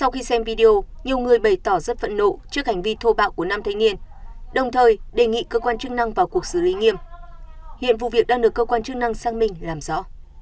khi xem video nhiều người bày tỏ rất phận lộ trước hành vi thô bạo của nam thanh niên đồng thời đề nghị cơ quan chức năng vào cuộc xử lý nghiêm hiện vụ việc đang được cơ quan chức năng sang mình làm rõ